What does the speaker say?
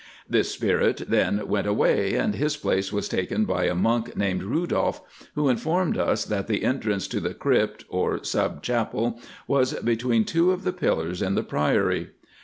This spirit then went away, and his place was taken by a monk named Rudolph, who informed us that the entrance to the Crypt or sub Chapel was between two of the pillars in the Priory.